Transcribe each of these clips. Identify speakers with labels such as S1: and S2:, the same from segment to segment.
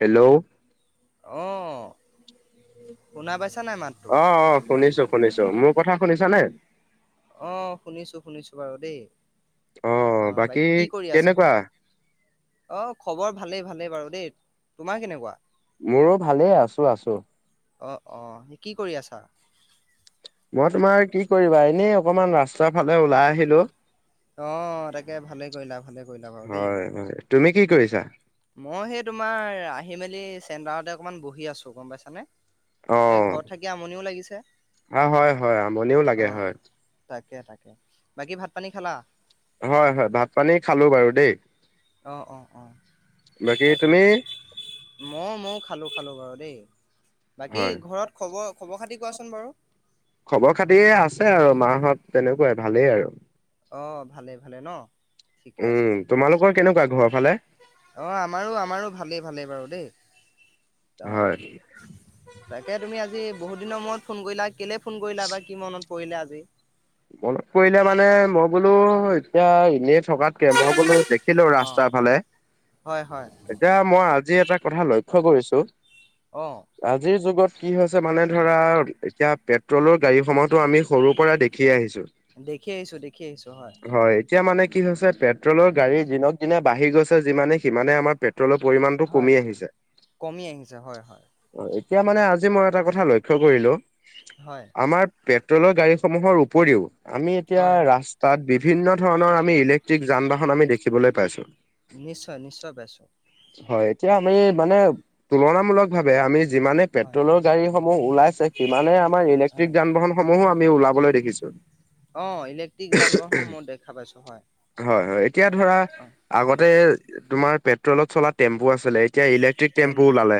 S1: Hello
S2: অ' শুনা পাইছা নাই মাত?
S1: অ' অ' শুনিছোঁ, শুনিছোঁ মোৰ কথা শুনিছানে?
S2: অ' শুনিছোঁ, শুনিছোঁ বাৰু দেই অ' বাকী কি কৰি আছা? অ' খবৰ ভালেই ভালেই বাৰু দেই, তোমাৰ কেনেকুৱা?
S1: মোৰো ভালেই আছোঁ, আছোঁ।
S2: অ' অ' কি কৰি আছা?
S1: মই তোমাৰ কি কৰিবা এনেই অকণমান ৰাস্তাৰ ফালে ওলাই আহিলোঁ।
S2: অ' তাকে ভালেই কৰিলা, ভালে কৰিলা বাৰু দেই।
S1: হয় হয় তুমি কি কৰিছা?
S2: মই সেই তোমাৰ আহি মেলি চেণ্টাৰতে অকনমান বহি আছোঁ গ'ম পাইছানে।
S1: অ
S2: এই ঘৰত থাকি আমনিও লাগিছে।
S1: অ' হয়, হয় আমনিও লাগে
S2: অ',
S1: হয়।
S2: তাকে, তাকে বাকী ভাত পানী খালা?
S1: হয়, হয়। ভাত পানী খালোঁ বাৰু দেই।
S2: অ' অ'
S1: বাকী
S2: অ'দে
S1: তুমি
S2: মই মও খালোঁ খালোঁ বাৰু দেই বাকী
S1: হয়
S2: ঘৰত খবৰ খবৰ খাতি কোৱাচোন বাৰু?
S1: খবৰ খাতি আছে আৰু মাহত তেনেকুৱাই ভালেই আৰু
S2: অ' ভালে ভালে ন
S1: উম, তোমালোকৰ কেনেকুৱা ঘৰৰ ফালে?
S2: অ' আমাৰো আমাৰো ভালেই ভালেই বাৰু দেই অ'।
S1: হয়
S2: তাকে, তুমি আজি বহুত দিনৰ মূৰত ফোন কৰিলা কেলে ফোন কৰিলা বা কি মনত পৰিলা আজি।
S1: মনত পৰিলে মানে মই বোলোঁ এতিয়া এনেই থকাতকে মই বোলোঁ দেখিলোঁ
S2: অঁ
S1: ৰাস্তাৰ ফালে
S2: হয় হয়
S1: এতিয়া মই আজি এটা কথা লক্ষ্য কৰিছোঁ।
S2: অ'
S1: আজিৰ যুগত কি হৈছে মানে ধৰা এতিয়া পেট্ৰলৰ গাড়ীসমূহতো আমি সৰুৰ পৰা দে দেখি আহিছোঁ।
S2: দেখি আহিছোঁ, দেখি আহিছোঁ হয়।
S1: হয়, এতিয়া মানে কি হৈছে পেট্ৰলৰ গাড়ী দিনক দিনে বাঢ়ি গৈছে যিমানে সিমানে আমাৰ পে অলপ পৰিমাণটো
S2: হয়।
S1: কমি আহিছে।
S2: কমি আহিছে হয় হয়
S1: অ' এতিয়া মানে আজি মই এটা কথা লক্ষ্য কৰিলোঁ।
S2: হয়।
S1: আমাৰ পেট্ৰলৰ গাড়ীসমূহৰ উপৰিও আমি এতিয়া
S2: হয় হয়
S1: ৰাস্তাত বিভিন্ন ধৰণৰ আমি ইলেক্ট্ৰিক যান বাহন আমি দেখিবলৈ পাইছোঁ। [unintelligible]
S2: নিশ্চয়, নিশ্চয় পাইছোঁ।
S1: হয়, এতিয়া আমি মানে তুলনামূলক ভাৱে আমি যিমানে
S2: হয়
S1: পেট্ৰলৰ গাড়ীসমূহ ওলাইছে, সিমানে আমাৰ ইলেক্ট্ৰিক
S2: হয়
S1: যান বাহন সমূহো আমি ওলাবলৈ দেখিছোঁ।
S2: অ' ইলেক্ট্ৰিক যান বাহনো মই দেখা পাইছোঁ হয়।
S1: হয়, হয়। এতিয়া ধৰা
S2: অঁ।
S1: আগতে তোমাৰ পেট্ৰলত চলা টেম্পু আছিলে। এতিয়া ইলেক্ট্ৰিক টেম্পু ওলালে।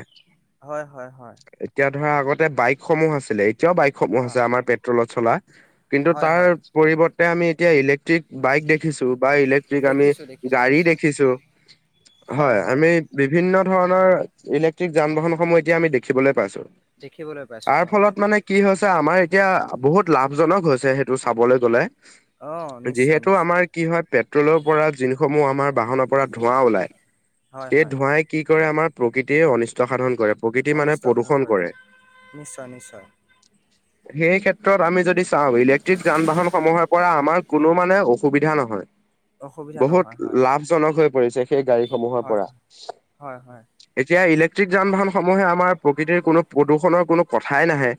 S2: হয় হয় হয়
S1: এতিয়া ধৰা আগতে বাইকসমূহ আছিলে, এতিয়াও বাইকসমূহ
S2: অঁ
S1: আছে আমাৰ পেট্ৰলত চলা কিন্তু,
S2: হয়
S1: তাৰ
S2: হয়
S1: পৰিৱৰ্তে আমি এতিয়া ইলেক্ট্ৰিক বাইক দেখিছোঁ বা ইলেক্ট্ৰিক আমি
S2: দেখিছো দেখিছো
S1: গাড়ী
S2: নিশ্চয়
S1: দেখিছোঁ হয়। আমি বিভিন্ন ধৰণৰ ইলেক্ট্ৰিক যান বাহনসমূহ এতিয়া আমি দেখিবলৈ পাইছো।
S2: দেখিবলৈ পাইছো
S1: তাৰ
S2: হয়।
S1: ফলত মানে কি হৈছে, আমাৰ এতিয়া বহুত লাভজনক হৈ চে সেইটো চাবলে গ'লে।
S2: অ' নিশ্চয়
S1: যিহেতু
S2: নিশ্চয়
S1: আমাৰ কি হয়, পেট্ৰলৰ পৰা যোনসমূহ আমাৰ বাহনৰ পৰা ধোঁৱা ওলায়
S2: হয়।
S1: এই
S2: হয়
S1: ধোঁৱাই কি কৰে আমাৰ প্ৰকৃতিয়ে অনিষ্ট সাধন কৰে। প্ৰকৃতি মানে
S2: অনিষ্ট সাধন
S1: প্ৰদূষণ কৰে।
S2: হয় নিশ্চয় নিশ্চয়
S1: সেই ক্ষেত্ৰত আমি যদি চাওঁ ইলেক [unintelligible] যান বাহন সমূহৰ পৰা আমাৰ কোনো মানে অসুবিধা নহয়,
S2: অসুবিধা
S1: বহুত
S2: নহয় হয়
S1: লা লাভজনক হৈ পৰিছে সেই গাড়ীসমূহৰ
S2: হয়
S1: পৰা।
S2: হয় হয়
S1: এতিয়া ইলেক্ট্ৰিক যান বাহন সমূহে আমাৰ প্ৰকৃতিৰ কোনো প্ৰদূষণৰ কোনো কথাই নাহে।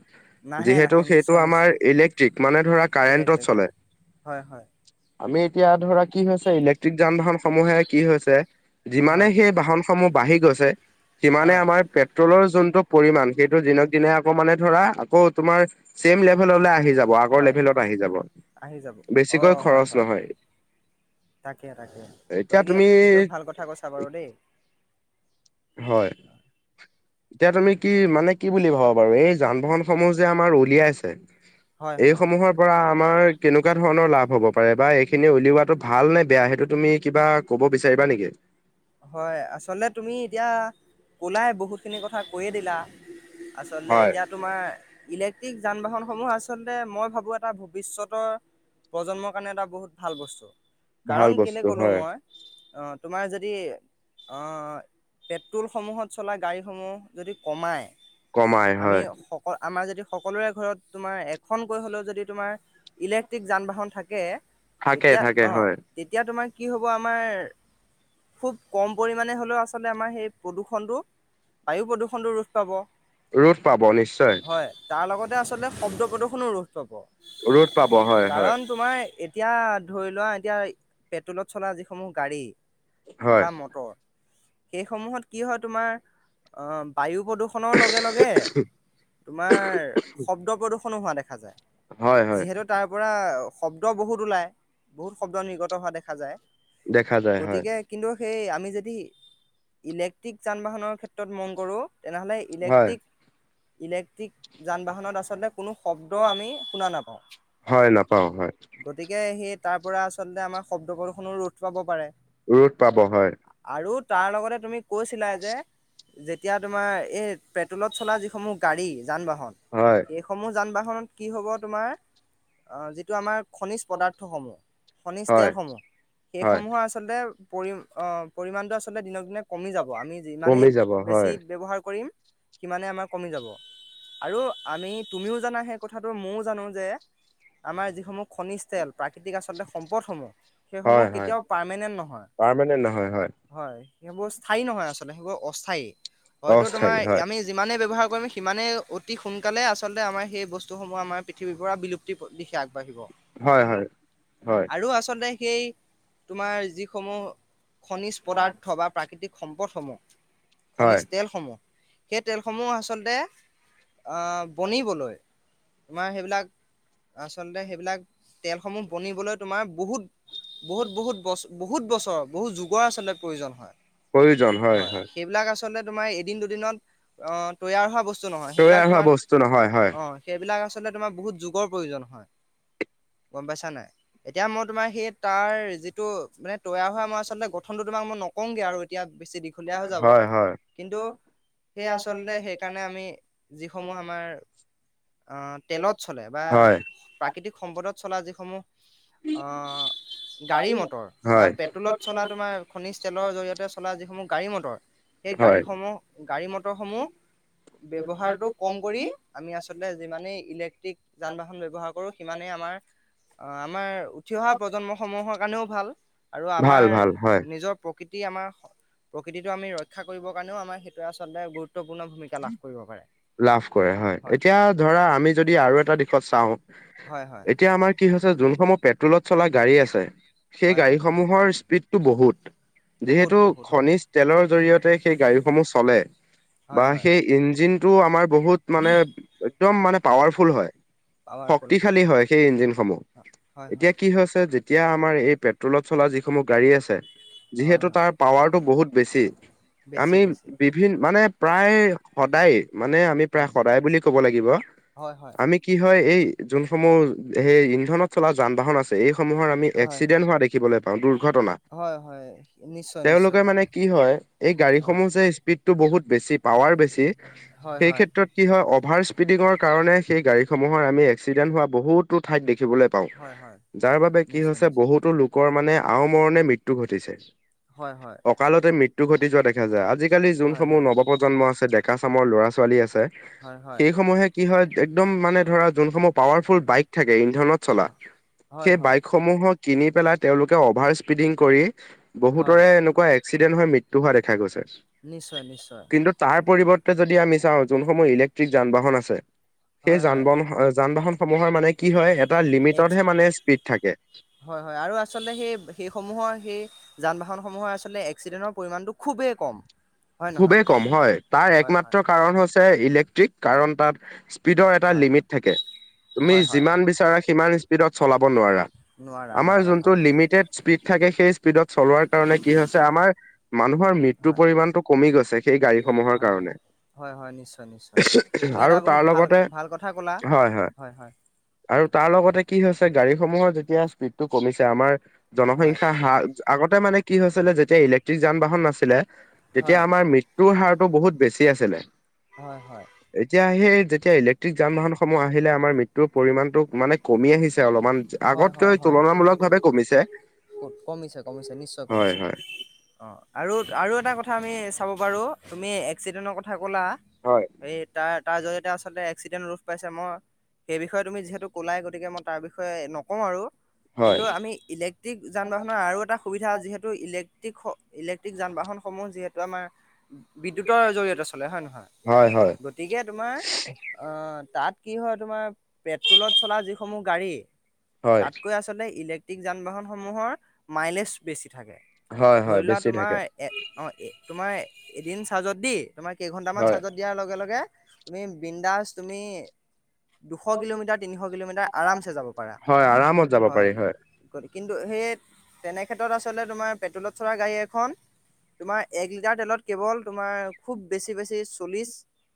S2: নাহে
S1: যিহেতু
S2: নাহে
S1: সেইটো
S2: নিশ্চয়
S1: আমাৰ
S2: নিশ্চয়
S1: ইলেক্ট্ৰিক, মানে ধৰা
S2: ইলেক্ট্ৰিক
S1: কাৰেণ্টত চলে।
S2: হয় হয় হয়
S1: আমি এতিয়া ধৰা কি হৈছে, ইলেক্ট্ৰিক যান বাহন সমূহে কি হৈছে যিমানে
S2: হয়
S1: সেই বাহনসমূহ বাঢ়ি গৈছে, সিমানে
S2: হয়
S1: আমাৰ পেট ট্ৰলৰ যোনটো পৰিমাণ, সেইটো দিনক দিনে আকৌ মানে ধৰা আকৌ তোমাৰ ছেম লেভেললে আহি যাব, আ আগৰ
S2: হয়
S1: লেভেলত আহি যাব,
S2: আহি যাব
S1: বেছিকৈ
S2: অ' হয়
S1: খৰচ
S2: হয়
S1: নহয়।
S2: তাকে- তাকে,
S1: এতিয়া
S2: গতিকে
S1: তুমি
S2: সেইটো ভাল কথা কৈছা বাৰু দেই।
S1: হয়। এতিয়া তুমি কি মানে কি বুলি ভাবা বাৰু, এই যান বাহনসমূহ যে আমাৰ উলিয়াইছে
S2: হয়
S1: এই
S2: হয়
S1: সমূহৰ পৰা আমাৰ কেনেকুৱা ধৰণৰ লাভ হ'ব পাৰে বা এই সেইখিনি উলিওৱাটো ভাল নে বেয়া, সেইটো তুমি কিবা ক'ব বিচাৰিবা নেকি।
S2: হয়, আচলতে তুমি এতিয়া ক'লাই বহুতখিনি কথা কৈয়ে দিলা। আচলতে
S1: হয়
S2: এতিয়া তোমাৰ ইলেক্ট্ৰিক যান বাহনসমূহ আচলতে মই ভাবো এটা ভৱিষ্যতৰ প্ৰজন্মৰ কাৰণে এটা বহুত ভাল বস্তু,
S1: ভাল
S2: কাৰণ কেনে
S1: বস্তু
S2: ক'লো
S1: হয়।
S2: মই, অ', তোমাৰ যে যদি অ', পেট্ৰলসমূহত চলা গাড়ীসমূহ যদি কমায়।
S1: কমাই
S2: আমি
S1: হয়
S2: সকল আমাৰ যদি সকলোৰে ঘৰত তোমাৰ এখন কৈ হ'লেও যদি তোমাৰ ইলেক্ট্ৰিক যান বাহন থাকে,
S1: থাকে
S2: তেতিয়া
S1: থাকে
S2: অ',
S1: হয়
S2: তেতিয়া তোমাৰ কি হ'ব আমাৰ খুব কম পৰিমাণে হ'লেও আচলতে আমাৰ সেই প্ৰদূষণটো, বায়ু প্ৰদূষণটো ৰোধ পাব।
S1: ৰোধ পাব নিশ্চয়।
S2: হয়, তাৰ লগতে আচলতে শব্দ প্ৰদূষনো ৰোধ পাব।
S1: ৰোধ পাব হয়-হয়।
S2: কাৰণ তোমাৰ এতিয়া ধৰি লোৱা এতিয়া পেট্ৰলত চলা যিসমূহ গাড়ী
S1: হয়
S2: বা মটৰ, সেইসমূহত কি হয় তোমাৰ, অ', বায়ু প্ৰদূ ষণৰ লগে- লগে, তোমাৰ শব্দ প্ৰদূষণো হোৱা দেখা যায়।
S1: হয় হয়
S2: যিহেতু তাৰ পৰা শব্দ বহুত ওলায়। বহুত শব্দ নিৰ্গত হোৱা দেখা যায়,
S1: দেখা যায় হয়
S2: গতিকে কিন্তু, সেই আমি যদি ইলেক্ট্ৰিক যান বাহনৰ ক্ষেত্ৰত মন কৰোঁ, তেনেহ'লে
S1: হয়
S2: ইলেক্ট্ৰিক ইলেক্ট্ৰিক যান বাহনত আচলতে কোনো শব্দ আমি শুনা নাপাওঁ।
S1: হয়, নাপাওঁ হয়।
S2: গতিকে সেই তাৰ পৰা আচলতে আমাৰ শব্দ প্ৰদূষণো ৰোধ পাব পাৰে।
S1: ৰ'দ পাব হয়
S2: আৰু তাৰ লগতে তুমি কৈছিলা যে যেতিয়া তোমাৰ এই পেট্ৰলত চলা যিসমূহ গাড়ী যান বাহন
S1: হয়
S2: সেই সমূহ যান বাহনত কি হব তোমাৰ, অঁ যিটো আমাৰ খনিজ পদাৰ্থসমূহ, খনিজ
S1: হয়
S2: তেলসমূহ,
S1: হয়
S2: সেইসমূহৰ আচলতে পৰিম অ পৰিমাণটো আচলতে দিনক দিনে কমি যাব। আমি যিমানেই
S1: কমি যাব
S2: বেছি
S1: হয়
S2: ব্যৱহাৰ কৰিম, সিমানেই আমাৰ কমি যাব। আৰু আমি তুমিও জানা সেই কথাটো, মইয়ো জানো যে আমাৰ যিসমূহ খনিজ তেল প্ৰাকৃতিক আচলতে সম্পদসমূহ,
S1: হয়
S2: সেইসমূহ
S1: হয়
S2: কেতিয়াও পাৰ্মানেণ্ট নহয়।
S1: পাৰমানেণ্ট নহয়
S2: হয়, সেইবোৰ স্থায়ী নহয় আচলতে সেইবোৰ অস্থায়ী। হয়তো
S1: অস্থায়ী
S2: তোমাৰ
S1: হয়
S2: আমি যিমানেই ব্যৱহাৰ কৰিম, সিমানেই অতি সোনকালে আচলতে আমাৰ সেই বস্তুসমূহ আমাৰ পৃথিৱীৰ পৰা বিলু প্তি দিশে আগবাঢ়িব।
S1: হয় হয় হয়।
S2: আৰু আচলতে সেই তোমাৰ যিসমূহ খনিজ পদাৰ্থ বা প্ৰাকৃতিক সম্পদসমূহ
S1: হয়
S2: খনিজ তেলসমূহ। সেই তেলসমূহ আচলতে অঁ বনিবলৈ তোমাৰ সেইবিলাক আচলতে সেইবিলাক, তেলসমূহ বনিবলৈ তোমাৰ বহুত বহুত বহুত বছ বহুত বছৰ বহুত যুগৰ আচলতে প্ৰয়োজন হয়, হয় সেইবিলাক আ চলতে তোমাৰ এদিন দুদিনত অঁ তৈয়াৰ হোৱা বস্তু নহয়, সেইবিলাক
S1: তৈয়াৰ হোৱা
S2: তোমাৰ
S1: বস্তু নহয় হয়
S2: অঁ সেইবিলাক আচলতে তোমাৰ বহুত যুগৰ প্ৰয়োজন হয়। গম পাইছা নাই? এতিয়া মই তোমাৰ সেই তাৰ যিটো মানে তৈয়াৰ হোৱা মাছ আচলতে গঠনটো তোমাক মই নকওঁগৈ আৰু এতিয়া বেছি দীঘলীয়া হৈ যাব।
S1: হয় হয়
S2: কিন্তু সেয়ে আচলতে সেইকাৰণে আমি যিসমূহ আমাৰ অঁ তেলত চলে বা
S1: হয়
S2: প্ৰাকৃতিক সম্পদত চলা যিসমূহ অঁ গাড়ী মটৰ বা
S1: হয়
S2: পেট্ৰলত চলা তোমাৰ খনিজ তেলৰ জৰিয়তে চলা যিসমূহ গাড়ী মটৰ, সেই
S1: হয়
S2: গাড়ীসমূহ গাড়ী মটৰসমূহ, ব্যৱহাৰটোক কম কৰি আমি আচলতে যিমানেই ইলেক্ট্ৰিক যান বাহন ব্যৱহাৰ কৰোঁ, সিমানেই আমাৰ অঁ, আমাৰ উঠি অহা প্ৰজন্মসমূহৰ কাৰণেও ভাল, আৰু
S1: ভাল
S2: আমাৰ
S1: ভাল হয়
S2: নিজৰ প্ৰকৃতি আমাৰ প্ৰকৃতিটো আমি ৰক্ষা কৰিবৰ কাৰণেও আমাৰ সেইটোৱে আচলতে গুৰুত্বপূৰ্ণ ভূমি
S1: লাভ কৰে হয়, এতিয়া ধৰা, আমি যদি আৰু এটা দিশত চাও।
S2: হয় হয়
S1: এতিয়া আমাৰ কি হৈছে যোনসমূহ পেট্ৰলত চলা গাড়ী আছে, সেই
S2: হয় হয়
S1: গাড়ীসমূহৰ স্পীডতটো বহুত।
S2: বহুত
S1: যিহেতু
S2: বহুত হয়
S1: খনিজ তেলৰ জৰিয়তে সেই গাড়ীসমূহ চলে। বা
S2: হয় হয়
S1: সেই ইঞ্জিনটো আমাৰ বহুত মানে একদম মানে পাৱাৰফুল হয়। শক্তিশালী হয় সেই ইঞ্জিন সমূহ,
S2: হয় হয়
S1: এতিয়া কি হৈছে যে তিয়া আমাৰ এই পেট্ৰলত চলা যিসমূহ গাড়ী আছে,
S2: হয় হয়
S1: যিহেতু
S2: হয়
S1: তাৰ পাৱাৰতটো বহুত বেছি।
S2: বেছি
S1: আমি
S2: বেছি
S1: বিভিন মানে প্ৰায় সদায় মানে আমি প্ৰায়
S2: হয়
S1: সদায় বুলি ক'ব লাগিব,
S2: হয় হয়
S1: আমি কি হয় এই যোনসমূহ সেই ইন্ধনত চলা যান বাহন আছে, এইসমূহৰ আমি
S2: হয়
S1: এক্সিডেণ্ট হোৱা দেখিবলৈ পাওঁ, দুৰ্ঘটনা।
S2: হয়, হয়। নিশ্চয়
S1: তেওঁলোকে
S2: নিশ্চয়
S1: মানে কি হয়, এই
S2: হয়
S1: গাড়ীসমূহ যে স্পীডতটো বহুত বেছি পাৱাৰ বেছি,
S2: হয়
S1: সেই
S2: হয়
S1: ক্ষেত্ৰত কি হয় অভাৰ স্পিডিঙৰ কাৰণে সেই গাড়ীসমূহৰ আমি এক্সিডেণ্ট হোৱা বহুতো ঠাইত দেখিবলে পাওঁ,
S2: হয় হয়
S1: যাৰ বাবে কি
S2: নিশ্চয়
S1: হৈছে
S2: নিশ্চয়
S1: বহুতো লোকৰ মানে আওমৰণে মৃত্যু ঘটিছে।
S2: হয়, হয়।
S1: কঁকালতে মৃত্যু ঘটি যোৱা দেখা যায়। আজিকালি
S2: হয়
S1: যোনসমূহ
S2: হয়
S1: নৱপ্ৰজন্ম আছে, ডেকা চামৰ ল'ৰা ছোৱালী আছে
S2: হয় হয়
S1: সেই সমূহে কি হয়, একদম মানে ধৰা যোনসমূহ পাৱাৰফুল বাইক থাকে ইন্ধনত চলা,
S2: হয়
S1: সেই
S2: হয়
S1: বাইক সমূহৰ কিনি পেলাই তেওঁলোকে অভাৰ স্পিডিং কৰি
S2: হয়
S1: বহুতৰে এনেকুৱা এক এক্সিডেণ্ট হৈ মৃত্যু হোৱা দেখা গৈছে।
S2: নিশ্চয়, নিশ্চয়।
S1: কিন্তু তাৰ পৰিৱৰ্তে যদি আমি চাওঁ যোনসমূহ ইলেক্ট্ৰিক যান বাহন আছে সেই
S2: হয়
S1: যান
S2: হয়
S1: বাহন, যান বাহন সমূহৰ মানে কি হয় এটা
S2: এক
S1: লিমিটতহে মানে স্পীড থাকে।
S2: হয় হয়, আৰু আচলতে সেই সেইসমূহৰ সেই যান বাহনসমূহৰ আচলতে এক্সিডেণ্টৰ পৰিমাণটো খুবেই কম। হয় নহয়
S1: খুবেই কম হয়, তাৰ
S2: হয় হয়
S1: একমাত্ৰ কাৰণ হৈছে ইলেক্ট্ৰিক কাৰণ তাত স্পীডৰ এটা
S2: হয়
S1: লিমিট থাকে,
S2: হয়
S1: তুমি
S2: হয় হয়
S1: যিমান বিচাৰা সিমান স্পীডত চলাব নোৱাৰা।
S2: নোৱাৰা
S1: আমাৰ
S2: নোৱাৰা
S1: যোনটো
S2: হয়
S1: লিমিটেড স্পীড থাকে সেই স্পীডত চলোৱাৰ কাৰণে কি হৈছে আমাৰ মানুহৰ মৃত্যৰ
S2: হয়
S1: পৰিমাণটো কমি গৈছে সেই গাড়ীসমূহৰ
S2: হয় হয়
S1: কাৰণে।
S2: হয় হয়, নিশ্চয় নিশ্চয়, তুমি
S1: আৰু
S2: এটা
S1: তাৰ
S2: বহুত ভাল
S1: লগতে
S2: ভাল কথা ক'লা। হয় হয়।
S1: আৰু তাৰ লগতে কি হৈছে গাড়ীসমূহৰ যেতিয়া স্পীডটো কমিছে আমাৰ
S2: হয়
S1: জনসংখ্যা হাৰ, আগতে মানে কি হৈছিলে যেতিয়া ইলেক্ট্ৰিক যান বাহন নাছিলে তেতিয়া
S2: হয়,
S1: আমাৰ মৃত্যুৰ হাৰটো বহুত বেছি আছিলে।
S2: হয় হয়।
S1: এতিয়া সেই যেতিয়া ইলেক্ট্ৰিক যান বাহনসমূহ আহিলে আমাৰ মৃত্যুৰ পৰিমাণটো মানে কমি আহিছে অলপমান।
S2: হয়, হয়,
S1: আগতকৈ
S2: হয়,
S1: তুলনামূলক ভাৱে কমিছে।
S2: ক'ত কমিছে, কমিছে, নিশ্চয়
S1: হয়
S2: কমিছে।
S1: হয়।
S2: অ', আৰু আৰু এটা কথা আমি চাব পাৰোঁ তুমি এক্সিডেণ্টৰ ক থা ক'লা
S1: হয়
S2: এই তাত তাৰ জৰিয়তে আলতে এক্সিডেণ্ট ৰোধ পাইছে, মই সেই বিষয়ে তুমি যিহেতু ক'লাই গতিকে মই তাৰ বিষয়ে বিষয়ে নকওঁ আৰু কিন্তু
S1: হয়
S2: আমি ইলেক টিক যান বাহনৰ আৰু এটা সুবিধা যিহেতু স ইলেক্ট্ৰিক ইলেক্ট্ৰিক যান বাহনসমূহ যিহেতু আমাৰ বিদ্যুতৰ জৰিয়তে চলে হয়
S1: হয় হয়
S2: নহয় গতিকে তোমাৰ আ, তাত কি হয় তোমাৰ পেট্ৰলত চলা যিসমূহ গাড়ী
S1: হয়
S2: তাতকৈ আচলতে ইলেক্ট্ৰিক যান বাহনসমূহৰ মাইলেজ বেছি থাকে।
S1: হয় হয়
S2: ধৰি লোৱা
S1: বেছি
S2: তোমাৰ
S1: থাকে
S2: এ, অ' এ, তোমাৰ এদিন চাৰ্জত দি তোমাৰ কেইঘন্টামান
S1: হয়
S2: চাৰ্জত দি দিয়াৰ লগে লগে তুমি বিন্দাচ তুমি দুশ কিলোমিটাৰ, তিনিশ কিলোমিটাৰ আৰামছে যাব
S1: হয় আৰামত যাব পাৰি হয়।
S2: কৰি কিন্তু সেই তেনেক্ষেত্ৰত আচলতে তোমাৰ পেট্ৰলত চল গাড়ী এখন তোমাৰ এক লিটাৰ তেলত কেৱল তোমাৰ খুব বেছি বেছি চল্লিছ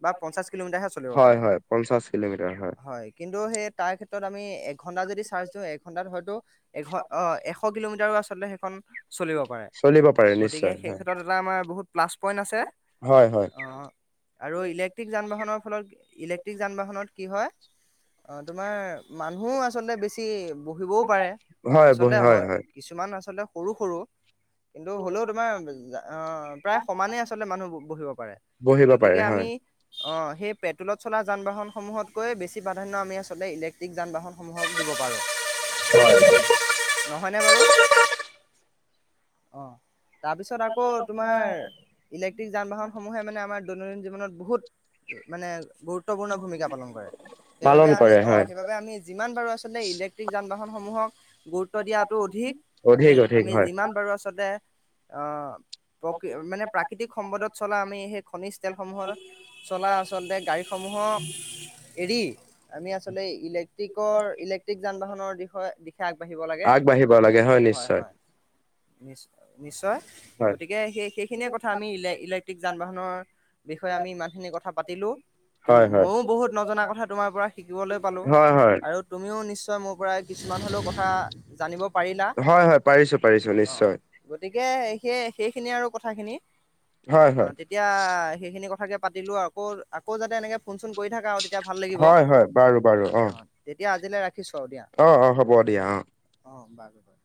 S2: বা পঞ্চাশ কিলোমিটাৰহে চলিব
S1: হয়
S2: পাৰা,
S1: হয় পঞ্চাশ কিলোমিটাৰ
S2: হয় কিন্তু সেই তাৰ ক্ষেত্ৰত আমি ঘণ্টা যদি চাৰ্জ দিওঁ, এঘন্টাত হয়তো এ, এশ কিলোমিটাৰো আচলতে সেইখন চলিব পাৰে
S1: চলিব পাৰে
S2: গতিকে
S1: নিশ্চয়
S2: সেই
S1: হয়
S2: ক্ষেত্ৰত এটা আমাৰ বহুত প্লাছ পইণ্ট আছে।
S1: হয় হয়।
S2: অ' আৰু ইলেক্ট্ৰিক যান বাহনৰ ফলত, ইলেক্ট্ৰিক যান বাহনত কি হয় অ', তোমাৰ মানুহো আচলতে বেছি বহিবও পাৰে, আচলতে হয়, কিছুমান আচলতে সৰু সৰু কিন্তু হ'লেও তোমাৰ আহ' প্ৰায় সমানেই আচলতে মানুহ বহিব পাৰে।
S1: বহিব পাৰে হয়।
S2: অঁ', সেই পেট্ৰলত চলা যান-বাহনসমূহতকৈ বেছি প্ৰাধান্য আমি আচলতে ইলেক্ট্ৰিক যান বাহন- সমূহক দিব পাৰো ন'। হয় নে বাৰু। অঁহ', তাৰপিছত আকৌ তোমাৰ ইলেক্ট্ৰিক যান বাহনসমূহে মানে আমাৰ দৈনন্দিন জীৱনত বহুত মানে বহুত- গুত্বপূৰ্ণ ভূমিকা পালন কৰে। সেইবাবে
S1: পালন
S2: আমি
S1: কৰে
S2: অঁ'
S1: হয়
S2: সেইবাবে আমি- যিমান পাৰো আচলতে ইলেক্ট্ৰিক যান-বাহনসমূহক- গুৰুত্ব দিয়াটো অধিক
S1: অধিক অধিক
S2: আমি-আমি
S1: হয়
S2: যিমান পাৰোঁ আচলতে- প্ৰকৃ' মানে প্ৰাকৃতিক সম্পদত চলা আমি সেই খনিজ তেলসমূহৰ- চলা আচলতে গাড়ীসমূহক এৰি আমি আচলতে ইলে- ক্ট্ৰিকৰ-ইলেক্ট্ৰিক যান-বাহনৰ দিশ-দিশে আগবাঢ়িব লাগে।
S1: আগবাঢ়িব লাগে হয় নিশ্চয়
S2: হয়-হয়। নি-নিশ্চয়।
S1: হয়
S2: গতিকে সেই সেইখিনিয়ে কথা আমি ইলে- ক্ট্ৰিক যান-বাহনৰ বিষয়ে আমি ইমানখিনি কথা পাতিলোঁ।
S1: হয় হয়
S2: মও বহুত নজনা কথা তোমাৰ পৰা শিকিবলৈ পালো।
S1: হয় হয়
S2: আৰু তুমিও নিশ্চয় মোৰ পৰা কিছুমান হ'লেও কথা জানিব- পাৰিলা।
S1: হয় হয় পাৰিছো পাৰিছো নিশ্চয়
S2: গতিকে সেইখিনিয়ে আৰু কথাখিনি।
S1: হয়
S2: অঁ',
S1: হয়
S2: তেতিয়া সেইখিনি কথাকে পাতিলো আকৌ-আকৌ যাতে এনেকে ফোন-চোন কৰি থাকা আৰু- এতিয়া ভাল লাগিব।
S1: হয় হয় বাৰু বাৰু অ
S2: অঁ',। এতিয়া আজিলৈ ৰাখিছোঁ আৰু দিয়া।
S1: অ অ হ'ব দিয়া অ
S2: অঁ', -হ'ব বাৰু।